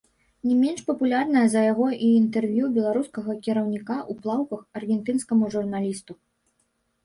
Не менш папулярнае за яго і інтэрв'ю беларускага кіраўніка ў плаўках аргентынскаму журналісту.